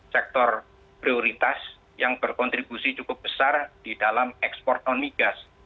sektor prioritas yang berkontribusi cukup besar di dalam ekspor non migas